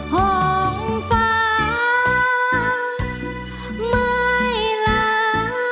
ห่วงฟ้าไม่ล้า